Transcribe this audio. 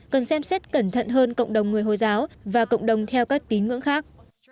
cần xem xét cẩn thận hơn cộng đồng người hồi giáo và cộng đồng theo các tín ngưỡng khác